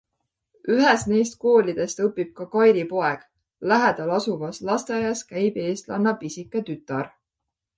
Ühes neist koolidest õpib ka Kairi poeg, lähedal asuvas lasteaias käib eestlanna pisike tütar.